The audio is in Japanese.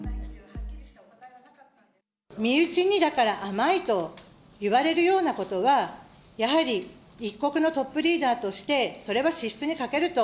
身内にだから甘いと言われるようなことは、やはり、一国のトップリーダーとして、それは資質に欠けると。